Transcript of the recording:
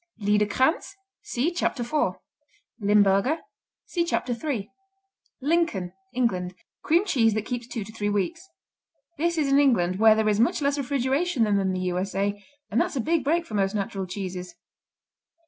Liederkranz see Chapter 4. Limburger see Chapter 3. Lincoln England Cream cheese that keeps two to three weeks. This is in England, where there is much less refrigeration than in the U.S.A., and that's a big break for most natural cheeses.